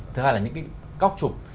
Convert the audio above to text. thứ hai là những cái cóc trục